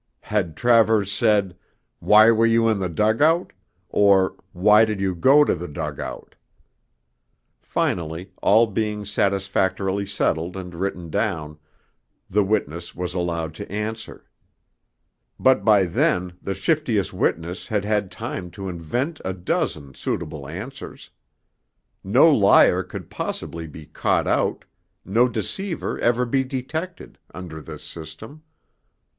Had Travers said, 'Why were you in the dug out?' or 'Why did you go to the dug out?' Finally, all being satisfactorily settled and written down, the witness was allowed to answer. But by then the shiftiest witness had had time to invent a dozen suitable answers. No liar could possibly be caught out no deceiver ever be detected under this system.